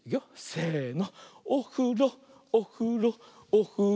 せの。